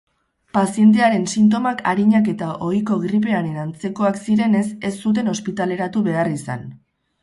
Pazientearen sintomak arinak eta ohiko gripearen antzekoak zirenez ez zuten ospitaleratu behar izan.